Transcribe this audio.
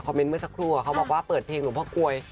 เมื่อสักครู่เขาบอกว่าเปิดเพลงหลวงพ่อกลวย